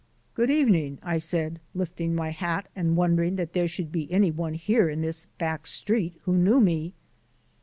"Good evening," I said, lifting my hat and wondering that there should be any one here in this back street who knew me.